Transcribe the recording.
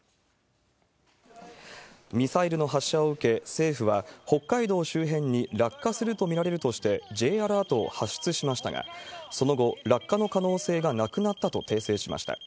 ミサイルの発射を受け、政府は北海道周辺に落下すると見られるとして、Ｊアラートを発出しましたが、その後、落下の可能性がなくなったと訂正しました。